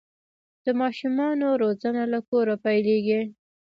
د ماشومانو روزنه له کوره پیلیږي.